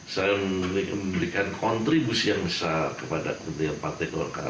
saya memberikan kontribusi yang besar kepada partai golkar